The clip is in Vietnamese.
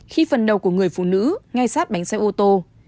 khi phần đầu của người phụ nữ ngay sát bánh xe ô tô